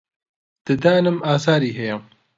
ددانم ئازاری هەیە.